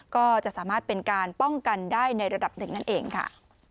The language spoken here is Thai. ก็จะสามารถเป็นการป้องกันได้ในระดับหนึ่งนั่นเองค่ะ